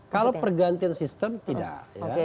kalau pergantian sistem tidak